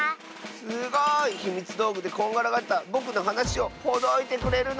すごい！ひみつどうぐでこんがらがったぼくのはなしをほどいてくれるの？